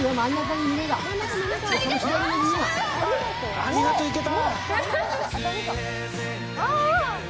ありがとう、いけた。